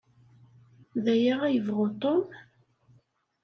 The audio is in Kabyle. D aya ad yebɣu Tom?